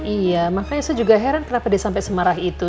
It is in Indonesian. iya makanya saya juga heran kenapa dia sampai semarah itu